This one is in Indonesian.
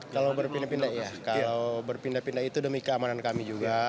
kalau berpindah pindah ya kalau berpindah pindah itu demi keamanan kami juga